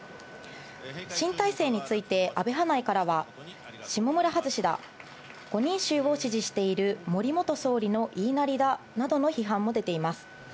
新体制について安倍派内からは、下村外しだ、５人衆を支持している森元総理の言いなりだなどの批判も出ています。